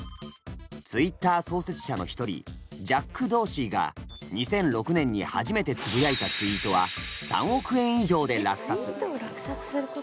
Ｔｗｉｔｔｅｒ創設者の一人ジャック・ドーシーが２００６年に初めてつぶやいたツイートは３億円以上で落札。